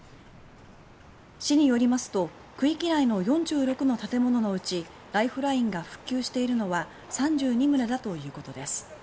市によりますと区域内の４６の建物のうちライフラインが復旧しているのは３２棟だということです。